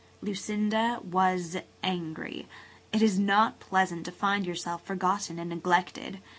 Lucinda was angry. It is not pleasant to find yourself forgotten and neglected.